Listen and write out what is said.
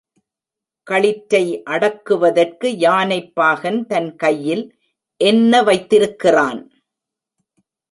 களிற்றை அடக்குவதற்கு யானைப் பாகன் தன் கையில் என்ன வைத்திருக்கிறான்?